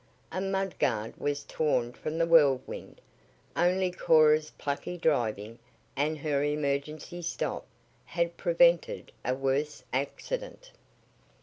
A mud guard was torn from the Whirlwind. Only Cora's plucky driving, and her emergency stop, had prevented a worse accident.